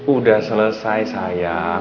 udah selesai sayang